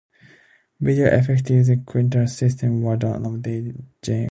Video effects using the Quantel system were done by Dave Jervis.